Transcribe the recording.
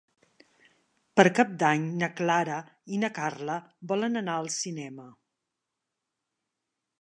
Per Cap d'Any na Clara i na Carla volen anar al cinema.